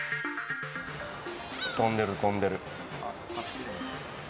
飛んでる、飛んでる。